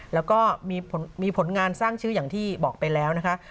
แล้วก็มีผลงานสร้างชื่ออย่างที่บอกไปแล้วนะคะ